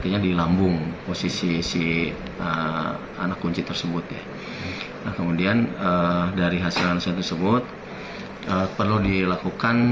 ternyata di lambung posisi si anak kunci tersebut ya kemudian dari hasilnya tersebut perlu dilakukan